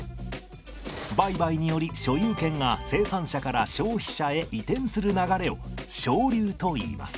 売買により所有権が生産者から消費者へ移転する流れを商流といいます。